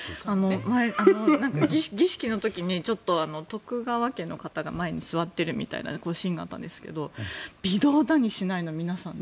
前、儀式の時にちょっと徳川家の方が前に座っているみたいなシーンがあったんですけど微動だにしないの、皆さん。